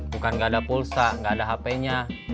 bukan gak ada pulsa gak ada hpnya